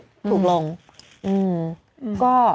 ถูกลงก็